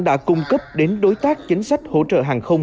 đã cung cấp đến đối tác chính sách hỗ trợ hàng không